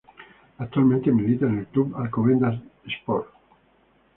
Actualmente milita en el Club Alcobendas Sport.